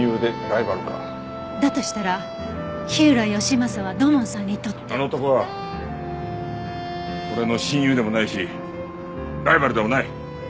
だとしたら火浦義正は土門さんにとって。あの男は俺の親友でもないしライバルでもない。